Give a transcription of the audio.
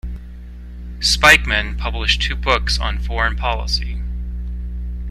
Spykman published two books on foreign policy.